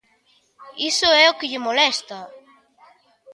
¡Iso é o que lle molesta!